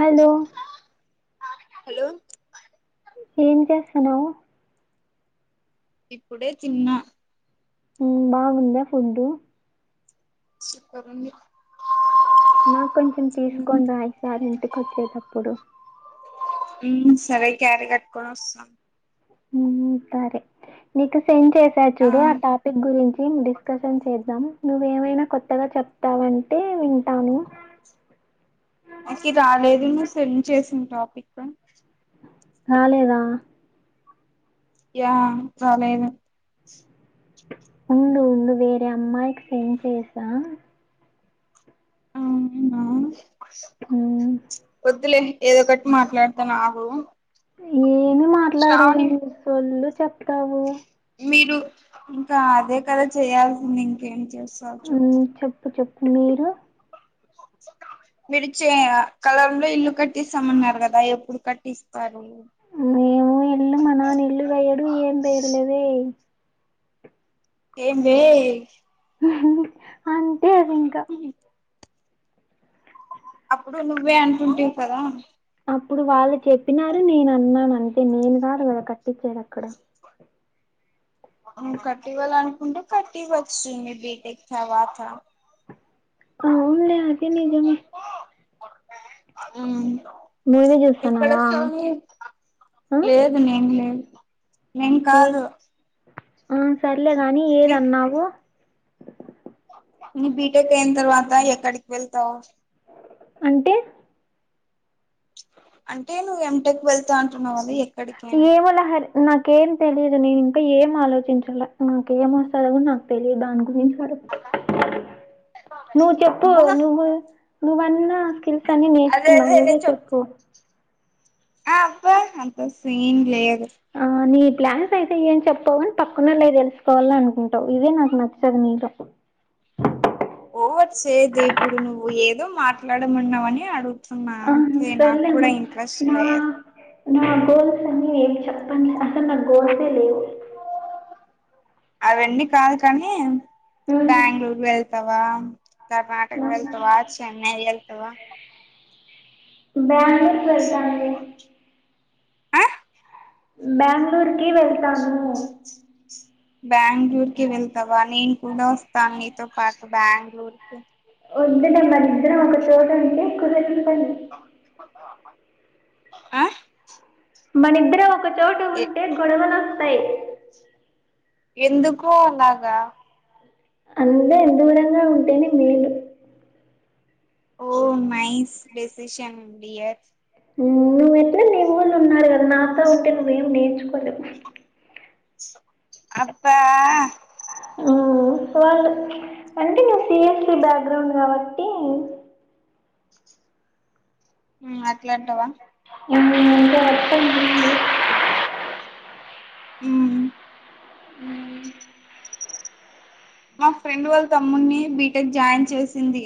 Hello hello ఏం చేస్తన్నవు ఇప్పుడే తిన్న మ్మ్ బాగుందా ఫుడ్డు సుప్పరుంది నాకు కొంచెం తీసుకోని రా ఈసారి ఇంటికొచ్చేటప్పుడు మ్మ్ సరే క్యారీ కట్టుకొని వస్తా మ్మ్ సరే నీ కస్ సెండ్ చేసా చూడు ఆ టాపిక్ గురించి డిస్కషన్ చేద్దాం నువ్వేమైనా కొత్తగా చెప్తావంటే వింటాను నాకి రాలేదు నువ్ సెండ్ చేసిన టాపిక్ రాలేదా యా చాలేన్ ఉండు ఉండు వేరే అమ్మాయికి సెండ్ చేసా ఒద్దులే ఏదో ఒకట్ మాట్లాడుతనాగు ఏమి మాట్లాడవు లే సొల్లు చెప్తావు మీరు ఇంకా అదే కదా చేయాల్సింది ఇంకేం చేస్తావ్ చెప్పు ఉమ్, చెప్పు మీరు మీరు చే కలాం లో ఇల్లు కట్టిస్తామన్నారు కదా ఎప్పుడు కట్టిస్తా ఇల్లు మా నాన్న ఇల్లు గయడు ఏం దైడు లే వే ఏందే అంటే ఇంకా అప్పుడు నువ్వే అంటుంటివి కదా అప్పుడు వాళ్ళు చెప్పినారు నేనన్నాను అంతే నేను గాదు గదా కట్టిచ్చేది అక్కడ కట్టివ్వాలనుకుంటే కట్టివచ్చు ఇంగ బీ టెక్ తర్వాత అవున్లే అది నిజమే ఉమ్ మూవీ చూస్తున్నావా ఆ లేదు నేను లేదు నేన్ ఏ కాదు ఆ సర్లే గాని నీ ఏదన్నావు నీ బీ టెక్ అయిన తర్వాత ఎక్కడికి వెళ్తావ్ అంటే అంటే నువ్వు ఎం టెక్ వెళ్తా అంటు ఏమో లహరి నాకేం తెలియదు ఏం ఆలోచించల నాకేం వస్తాదో గూడ నాకు తెలియదు దాని గురించి నువ్వు చెప్పు అబ్బా నువ్వు నువ్వన్నా స్కిల్స్ కాని అదే నేర్చుకున్నావు అదేదే నువ్వే చెప్ చెప్పు ఆ అబ్బా అంత సీన్ లే ఆనీ ప్లాన్స్ అయితే ఏం చెప్పవు పక్కనోళ్ళే తెలుసుకోవాల అనుకుంటావు ఇదే నాకు నచ్చదు నీలో ఓ వచ్చేదే ఇప్పుడు నువ్వు ఏదో మాట్లాడమన్నావని అడు తున్నా ఆ అంతే సర్లేమ్మ నాక్కూడా ఇంట్రెస్ట్ నా లేదు నా గోల్స్ అన్ని ఏం చెప్పం అసలు నాకు గోల్సే లేవు అవన్నీ కాదు కానీ ఉమ్, బ్యాంగ్లూరులో వెళ్తావా కర్నాటక వెళ్తవా చెన్నై ఎళ్తవా బ్యాంగ్లూర్ కెళ్తాన్లే ఆ బ్యాంగ్లూరుకి వెళ్తాను బ్యాంగ్లూరుకి వెళ్తవా నేను కూడా వస్తాను నీతో పాటు బ్యాంగ్లూరుకి ఒద్దు లే మనిద్దరం ఒక చోట ఉంటే కుదరని పని ఆ మనిద్దరం ఒక చోట ఉంటే గొడవలొస్తాయ్ ఎందుకో అలాగా అంతే దూరంగా ఉంటేనే మేలు ఓ నైస్ డెసిషన్ డియర్ మ్మ్ నువ్వెట్లా నీ వోళ్ళు ఉన్నారు గదా నాతో ఉంటే నువ్వేం నేర్చుకో అబ్బా మ్ వాళ్ళు అంటే నాది సిఎస్సి బ్యాక్గ్రౌండ్ కాబట్టి మ్ అట్లంటావ? నేన్ గీనుంటే అస్సల్ [unintelligible] మ్ మా ఫ్రెండ్ వాళ్ళ తమ్మున్ని బీటెక్ జాయిన్ చేసింది.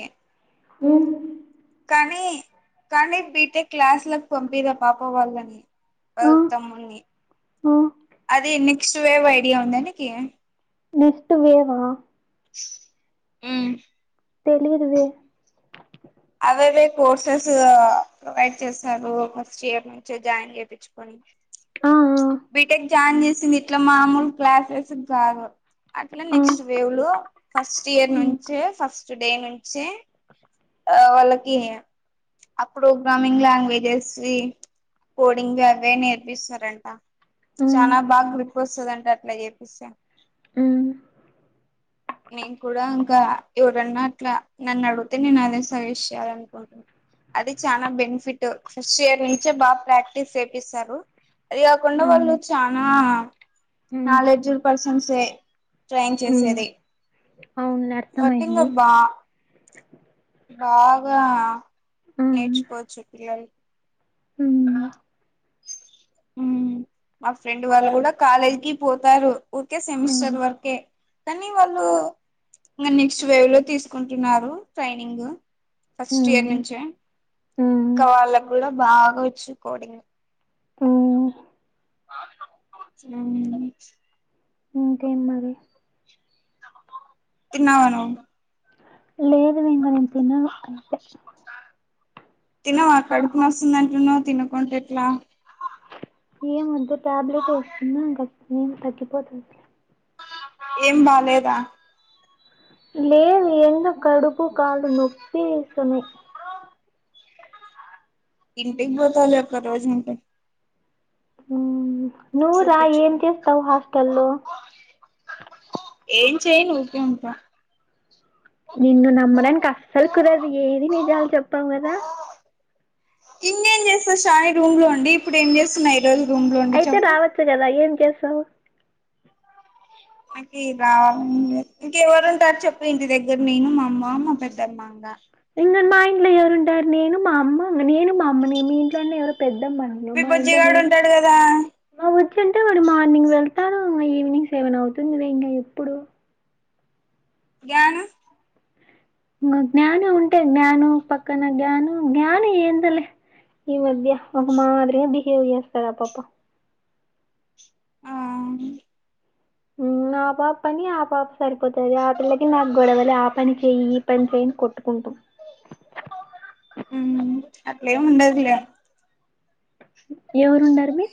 మ్ కానీ కానీ బీటెక్ క్లాస్లకి పంపిద్ ఆ పాప వాళ్ళని. ఆ వాళ్ళ తమ్ముని. ఆ అది నెక్స్ట్ వేవ్ ఐడియా ఉందా నీకి? నెస్ట్ వేవా? మ్ తెలీదు వె. అవేవే కోర్సెస్ ప్రొవైడ్ చేస్తారు ఫస్ట్ ఇయర్ నుంచే జాయిన్ చేపిచ్చుకొని ఆ ఆ బీటెక్ జాయిన్ చేసింది ఇట్ల మామూలు క్లాసెస్ కి కాదు అట్ల ఆ నెక్స్ట్ వేవ్ లో ఫస్ట్ ఇయర్ మ్మ్. నుంచే, ఫస్ట్ డే నుంచే ఆ వాళ్ళకి ఆ ప్రోగ్రామింగ్ లాంగ్వేజస్వి కోడింగ్ అవే నేర్పిస్తారంట. మ్మ్. చాన బాగ గ్రిప్ వస్తదంట అట్ల చేపిస్తే. మ్మ్. నేను కూడ ఇంక ఎవరన్న అట్లా నన్ను అడిగితే నేను అదే సజెస్ట్ చేయాలనుకుంటున్న అది చాన బెనిఫిట్ ఫస్ట్ ఇయర్ నుంచే బాగ ప్రాక్టీస్ చేపిస్తారు. అది కాకుండా వాళ్ళు మ్మ్. చానా మ్మ్. నాలెడ్జ్ పర్సన్సే ట్రైన్ మ్మ్. చేసేది. అవునులే అర్థం అయింది. బాగ మ్మ్. నేర్చుకోవచ్చు పిల్లలు. మ్మ్. ఉమ్ మా ఫ్రెండ్ వాళ్ళు కూడ కాలేజ్ కి పోతారు ఊకే మ్మ్. సెమిస్టర్ వరకే కానీ వాళ్ళు ఇంకా నెక్స్ట్ వేవ్ లో తీసుకుంటున్నారు ట్రైనింగ్. ఫస్ట్ ఇయర్ మ్మ్. నుంచే, ఇంకా మ్మ్. వాళ్ళకు కూడ బాగా వచ్చు కోడింగ్ మ్మ్. సెవెన్ మినిట్స్ ఇంకేం మరి తిన్నావ నువ్వు? లేదు ఇంక నేను తినను అంతే తిను కడుపు నోస్తుంది అంటున్నావ్ తినకుంటే ఎట్ల ఏమ్ వద్దు టాబ్లెట్ వేసుకున్నా ఇంక ఏం తగ్గిపోతుందిలె ఏం బాలేదా? లేేదు ఎందో కడుపు కాలు నొప్పి చేస్తన్నాయి ఇంటికి పోతావులే ఒక్క రోజుంటె మ్ నువ్వు రా ఏం చూపించుకో చేస్తావు హాస్టల్లో ఏం చెయ్యను ఊరికె ఉంటా నిన్ను నమ్మడానికి అస్సలు కుదరదు ఏది నిజాలు చెప్పవు కదా ఇంకేం చేస్త శ్రావణి రూమ్ లో ఉండి ఇప్పుడు ఏం చేస్తున్న అయితే రావచ్చు కదా ఏం చేస్తావు? నాకు రావాలని లేదు. ఇంకెవరు ఉంటారు చెప్పు ఇంటి దగ్గర నేను, మా అమ్మ, మా పెద్దమ్మ ఇంగ. ఇంక మా ఇంట్లో ఎవరు ఉంటారు నేను మా అమ్మ నేను మా అమ్మ నే. మీ ఇంట్లో అన్న ఎవరో పెద్ మీ మా ఇంట్లో బుజ్జిగాడు నేను ఉంటాడు కదా మా వచ్చుంటే ఇప్పుడు మార్నింగ్ వెళ్తాడు ఈవినింగ్ సెవెన్ అవుతుందివే ఇంకా ఎప్పుడు జ్ఞాను మధ్యహ్నం ఉంటది జ్ఞాను పక్కన జ్ఞాను జ్ఞాను ఏందోలే ఈ మధ్య ఒక మాదిరిగా బిహేవ్ చేస్తది ఆ పాప ఆ ఉ ఆ పాప పని ఆ పాప సరిపోతంది ఆ పిల్లకి నాకు గొడవలే ఆ పని చెయ్యి ఈ పని చెయి కొట్టుకుంటాం అట్లే ఏం ఉండదిలే ఇగా ఎవరున్నారు అమ్మీ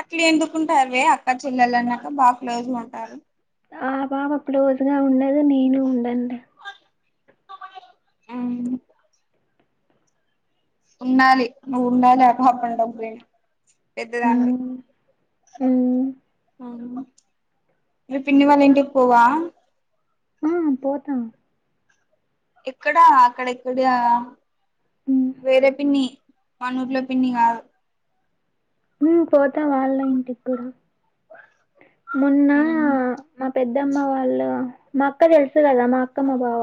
అట్లా ఎందుకుంటారువే అక్క చెల్లలు అన్నాక బాగా క్లోజుగా ఉంటారు ఆ బాబప్పుడు వదినా ఉండేదే నేను ఉండండి అవును ఉండాలి నువ్వు ఉండాలి అబ అప్పం పెద్దదాన్నివి మ్మ్ మ్మ్ ఉ మీ పిన్ని వాళ్ళ ఇంటి పోవా ఆ పోతా ఎక్కడా అక్కడెక్కడ మ్మ్ వేరే పిన్ని మానూర్లో పిన్ని కాదు ఉ పోతా వాళ్ళ ఇంటికి కూడా మొన్న మా పెద్ద పెద్దమ్మ వాళ్ళు మా అక్క తెలుసు కదా మా అక్కమ్మ బావ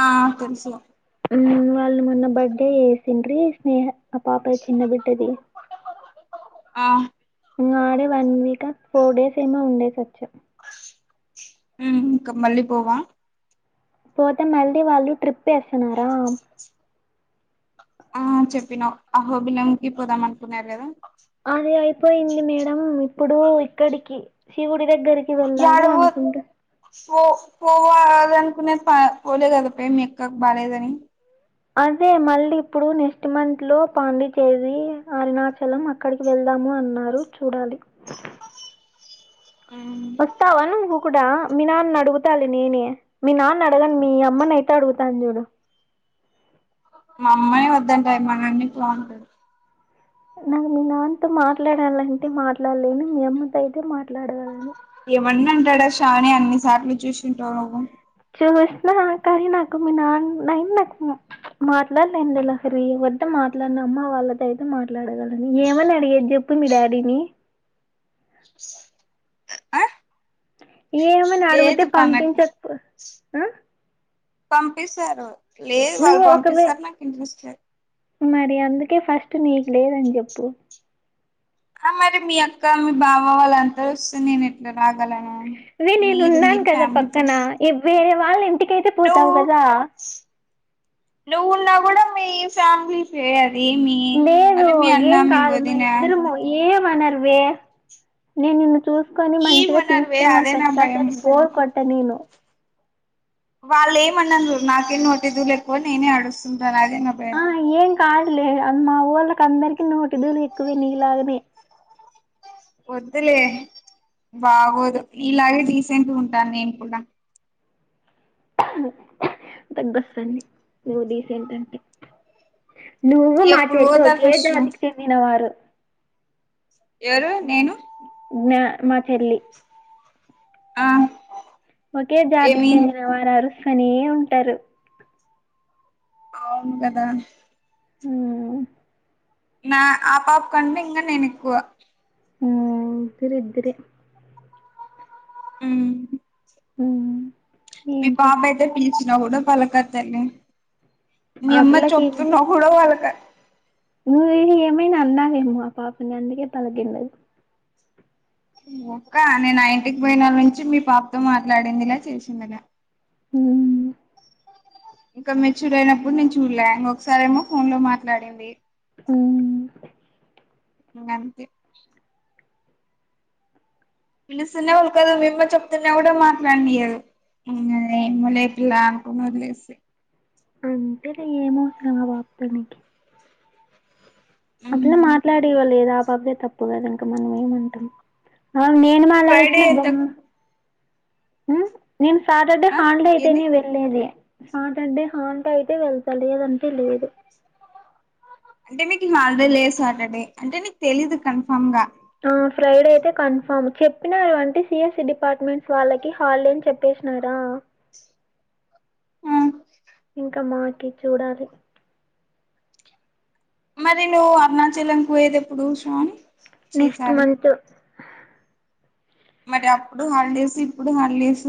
ఆ తెలుసు కుం కొంచు ఊ వాళ్ళు మొన్న బర్త్డే చేసిండ్రీ స్నేహ ఆ పాప చిన్న బిడ్డది ఆ ఆడే వన్ వీక్ ఫోర్ డేస్ ఏమో ఉండేస వచ్చా ఊ ఇంకా మళ్ళి పోవా పోతే మళ్ళీ వాళ్ళు ట్రిప్ వేస్తున్నారా ఆ చెప్పిన అహోబినంకి పోదాం అనుకున్నారు కదా ఆ అది అయిపోయింది మేడం ఇప్పుడు ఇక్కడికి శివుడి దగ్గరికి వెళ్ళాలి అనుకుంటా పోవాల అనుకునేది పోలే కదా మీ అక్కకి బాగాలేదా ఆని అదే మళ్ళీ ఇప్పుడు నెక్స్ట్ మంత్ లో పాండిచేరి అరుణాచలం అక్కడికి వెళ్దా స్తాము అన్నారు చూడాలి ఉ వస్తావా నువ్వు కూడా మీ నాన్న అడుగుతాలి నేనే మీ నాన్న అడగని మీ అమ్మని అయితే అడుగుతాను చూడు అమ్మయి వద్దాటాది మామమ్మి క్లాంట్ నాకు మీ నాన్నతో మాట్లాడాలంటే మాట్లాడలేను మీ అమ్మతో అయితే మాట్లాడగలను ఎవన్న అంటాడా షాని అన్నిసార్ట్లు చూసింటా నువ్వు చూసిన కరి నాకు మీ నాన్నై నాకు మాట్లాడలేం లహరి ఎవతో మాట్లాడిన అమ్మా వాళ్ళతో అయితే మాట్లాడగలని ఏమని అడిగేది చెప్పు మీ డాడీని ఆ ఏమని అడిగితే లేదు పనకి పంపించక ఆ పంపిస్తారు లేదు వాళ్ళు నువ్వు ఒకవే పంపిస్తారు నాకు ఇంట్రెస్ట్ లేదు కే ఫస్ట్ నీకు లేదని చెప్పు ఆ మరి మీ అక్క మీ బాబా వాళ్ళంతరూ వస్తే నేను ఎట్లా రాగలను అదే నేను మీరు ఉన్నాను మీరు కదా ఫ్యామిలీ పక్కన పర్సన్ ఇవ్వే వాళ్ళ ఇంటికైతే పోతావు కదా నువ్వున్నా కూడా మీ ఫ్యామిలీ ఫేర్ లేదు ఏం కాదు వదిన మనిద్దరము ఏం న్నారువే నేను నిన్ను చూసుకొని మంచిగా ఏమనరువే తీసుకోని అదే వస్తా నా నీకు భయం అసలు బోర్ కొ ట్టనీను వాళ్ళు ఏమనరు నాకే నోటి దూలేఎక్కువ నేనే అడుస్తుంటాను అదే నా భయం లేదు మా వోళ్ళకి అందరికి నోటిదూలే ఎక్కువ నీలాగనే వద్దులే బాగోదు ఇలాగే డీసెంట్ గా ఉంటాను నేను కూడా దగ్గొస్తుంది నువ్వు డీసెంట్ అంటే నువ్వు మా ఎప్పుడు చెల్లి పోతారు ఒకే ఫస్ట్ జాతికి చెందినవారు ఎవరు నేను నా మా చెల్లి ఆ ఒకే జాతికి ఏమి చెందిన వారు అరుస్తనే ఉంటారు అవును కదా హ్మ్ నా ఆ పాప కంటే ఇంగ నేను ఎక్కువ హ్మ్ ఇద్దరూ ఇద్దరే హ్మ్ హ్మ్ ఈ పాప అయితే పిలిచినా కూడా పలకదు తల్లి మీ ఆ అమ్మ పిల్లకి చెప్తున్నా కూడా వాళ్ళక నువ్వేమి ఏమైనా అన్నావేమో ఆ పాపని అందుకే పలకిండదు ఒక్క నేను ఆ ఇంటికి పోయినవేళ నుంచి మీ పాపతో మాట్లాడిందిలా చేసిందిలా హ్మ్ ఇంకా మెచ్యూర్ అయినప్పుడు నేను చూడల ఇంకొకసారేమో ఫోన్ లో మాట్లాడింది హ్మ్ ఇంగ అంతే పిలుస్తునే ఉల్కదు మీ అమ్మ చెప్తున్నా కూడా మాట్లాడినీయదు ఇంగ ఏమో లే పిల్ల అనుకుని వదిలేసి అంతేలే ఏమవసరం ఆ పాపతో నీకి అట్లే మాట్లాడేవ లేదా ఆ పాపదే తప్పు కదా ఇంక మనం ఏమంటాం అ నేను ఫ్రైడే మాట్లాడిచ్చిన బా ఎంత నేను సాటర్డే ఆ హాలిడే ఏంది అయితేనే వెళ్లేది సాటర్డే హాలిడే అయితే వెళ్తా లేదంటే లేదు అంటే మీకు హాలిడే లేదు సాటర్డే అంటే నీకు తెలీదు కన్ఫామ్ గా ఆ ఫ్రైడే అయితే కన్ఫామ్ చెప్పినారు అంటే సిఎస్సి డిపార్ట్మెంట్స్ వాళ్ళకి హాలిడే అని చెప్పేసినారా ఆ ఇంకా మాకి చూడాలి మరి నువ్వు అరుణాచలం కు పోయేది ఎప్పుడు శివాని నెక్స్ట్ మంత్ ఎప్పుడు హాలిడేస్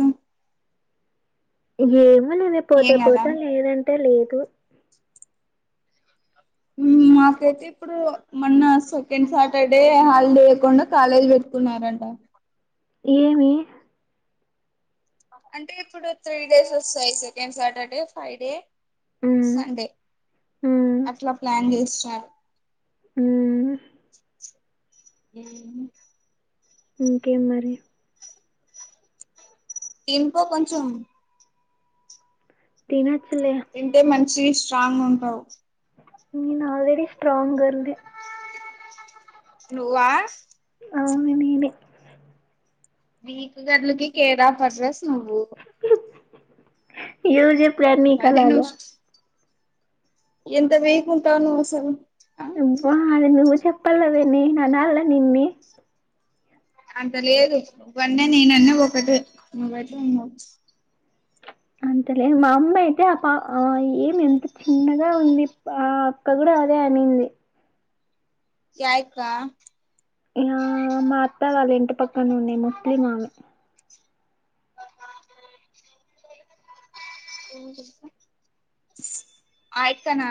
ఏమో లేవే పోతే ఏం కదా పోతాను లేదంటే లేదు మాకైతే ఇప్పుడు మొన్న సెకండ్ సాటర్డే హాలిడే లేకుండా కాలేజ్ పెట్టుకున్నారంట ఏవి అంటే ఇప్పుడు త్రీ డేస్ వస్తాయి సెకండ్ సాటర్డే ఫైడే హ్మ్. సండే హ్మ్. అట్లా ప్లాన్ చేస్తారు ఊ ఊ ఇంకేం మరి తేన్కో కొంచం తినే తింటే మంచి స్ట్రాంగ్ ఉంటావు నేను ఆల్రెడీ స్ట్రాంగ్ గర్ల్ నువ్వా అవును నీనే వీకు గర్లుకి కేర్ ఆఫ్ అడ్రెస్స్ ఎవరు జెప్పారు నీకు మరి అలాగ నువ్వు ఎంత వీక్ ఉంటే అన్ని సా చెప్పాల గానీ అనాల నిన్ని అంత లేదు ఇవన్నీ నేనన్నీ ఒకటే అంతలేదు మా అమ్మ ఐతే ఆ పా ఆ ఏం ఎంత చిన్నగా ఉంది ఆ అక్క కూడా సరే అనింది యా యిక్క ఆ మా అత్త వాళ్ళ ఇంటి పక్కన ఉండే ముస్లిం ఆమె ఏం [inaudible] ఆ ఇక్క నా